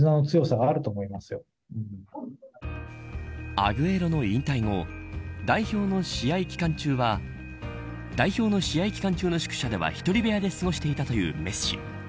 アグエロの引退後代表の試合期間中は宿舎では、１人部屋で過ごしていたというメッシ。